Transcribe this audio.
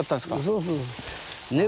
そうそう。